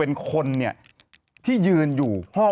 ทางแฟนสาวก็พาคุณแม่ลงจากสอพอ